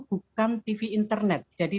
bukan tv internet jadi